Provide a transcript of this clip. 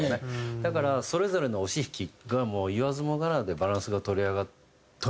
だからそれぞれの押し引きがもう言わずもがなでバランスが取れてて。